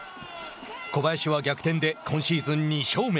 小林は逆転で今シーズン２勝目。